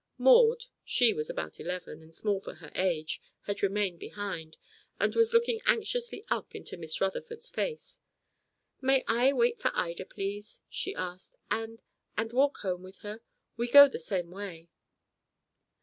Maud, she was about eleven, and small for her age, had remained behind, and was looking anxiously up into Miss Rutherford's face. "May I wait for Ida, please," she asked, "and and walk home with her? We go the same way."